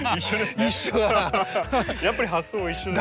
やっぱり発想は一緒ですね。